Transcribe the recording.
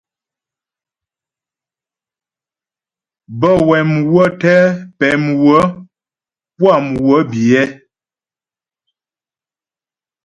Bə́ wɛ mhwə̌ tɛ pɛ̌ mhwə̀ puá mhwə biyɛ.